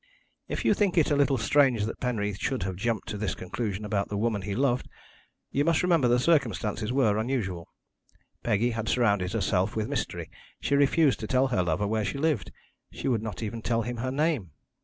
"If you think it a little strange that Penreath should have jumped to this conclusion about the woman he loved, you must remember the circumstances were unusual. Peggy had surrounded herself with mystery; she refused to tell her lover where she lived, she would not even tell him her name.